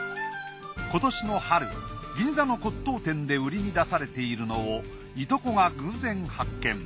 今年の春銀座の骨董店で売りに出されているのをいとこが偶然発見。